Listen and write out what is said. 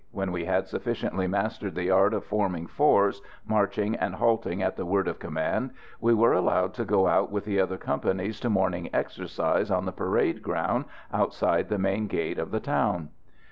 When we had sufficiently mastered the art of forming fours, marching and halting at the word of command, we were allowed to go out with the other companies to morning exercise on the parade ground outside the main gate of the town.